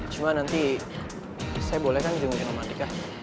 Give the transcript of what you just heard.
cuma nanti saya boleh kan diunggahin rumah adiknya